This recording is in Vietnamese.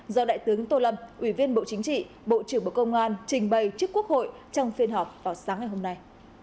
do đại tướng tô lâm ủy viên bộ chính trị bộ trưởng bộ công an trình bày trước quốc hội trong phiên họp vào sáng ngày hôm nay